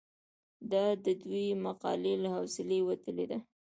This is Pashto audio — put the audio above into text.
دا د دې مقالې له حوصلې وتلې ده.